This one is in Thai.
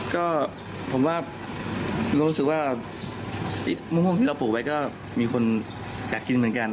ก็ผมว่ารู้สึกว่ามะม่วงที่เราปลูกไว้ก็มีคนอยากกินเหมือนกัน